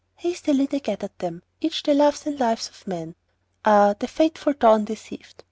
Hastily they gathered then Each the loves and lives of men. Ah, the fateful dawn deceived!